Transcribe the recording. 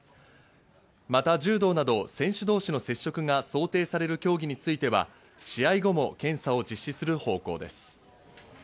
また、柔道など選手同士の接触が想定される競技については、試合後も検査を実施する方向です。